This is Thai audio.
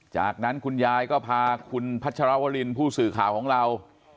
จากนั้นคุณยายก็พาคุณพัชรวรินผู้สื่อข่าวของเรา